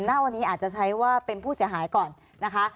ณวันนี้อาจจะใช้ว่าเป็นผู้เสียหายก่อนนะคะ